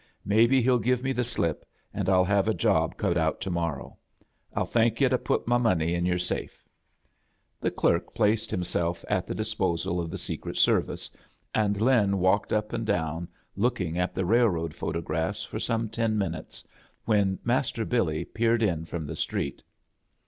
Hayfac hell give me the slip, and I'll have a job cut out to morrow. I'll thank yu' to put money in your safe." S^/' A JOURNEY IN SEARCH OF CHRISTHAS The clerk placed himself at the disposal of the secret service, aad Lin walked tip and down, looking at the railroad photo graphs for some ten minute when Master Billy peered in from the street.